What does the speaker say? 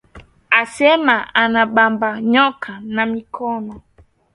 Asema ana bamba nyoka na mikono